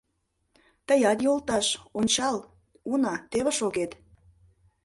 — Тыят, йолташ, ончал, уна, теве шогет.